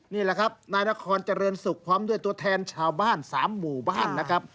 นี่แหละครับนายนครเจริญสุขพร้อมด้วยตัวแทนชาวบ้าน๓หมู่บ้านนะครับ